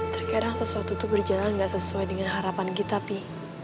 terkadang sesuatu itu berjalan gak sesuai dengan harapan kita sih